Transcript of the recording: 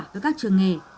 với các trường nghề